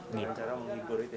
dengan cara menghibur gitu ya